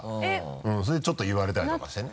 それでちょっと言われたりとかしてね。